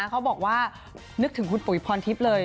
เขาบอกว่านึกถึงคุณปุ๋ยพรทิพย์เลย